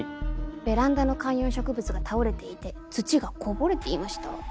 ベランダの観葉植物が倒れていて土がこぼれていました。